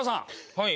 はい。